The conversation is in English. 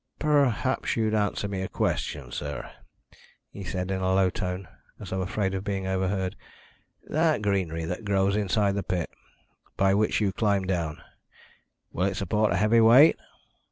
"Perhaps you'd answer me a question, sir," he said in a low tone, as though afraid of being overheard. "That greenery that grows inside the pit, by which you climbed down, will it support a heavy weight?"